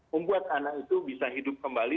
membuat anak itu bisa hidup kembali